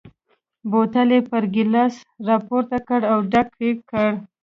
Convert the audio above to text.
بوتل یې پر ګیلاس را پورته کړ او ډک یې کړ.